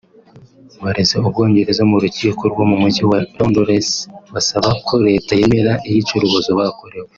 bareze u Bwongereza mu rukiko rwo mu mujyi wa Londres basaba ko Leta yemera iyicarubozo bakorewe